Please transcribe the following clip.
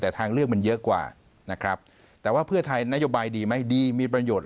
แต่ทางเลือกมันเยอะกว่านะครับแต่ว่าเพื่อไทยนโยบายดีไหมดีมีประโยชน์